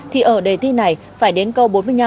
thì ở đề thi này phải đến câu bốn mươi năm